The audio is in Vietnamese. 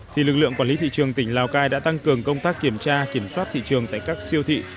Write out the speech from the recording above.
thì lực lượng quản lý thị trường tỉnh lào cai đã tăng cường công tác kiểm tra kiểm soát thị trường tại các siêu thị